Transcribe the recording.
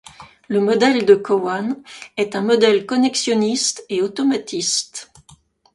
Le modèle de Cowan est un modèle connexionniste et automatiste.